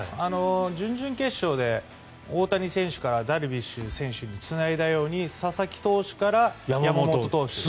準々決勝で大谷選手からダルビッシュ選手につないだように佐々木投手から山本投手。